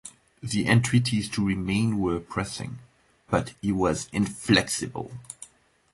The entreaties to remain were pressing, but he was inflexible.